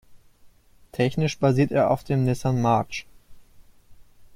Technisch basiert er auf dem Nissan March.